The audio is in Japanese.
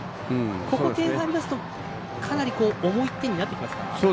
ここ、点が入りますとかなり重い１点になってきますか。